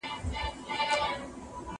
زه پرون د ښوونځی لپاره امادګي نيولی؟!